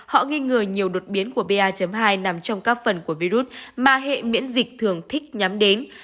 họ nghi ngờ nhiều đột biến của ba hai nằm trong các phần của virus mà hệ miễn dịch thường thích nhắm đến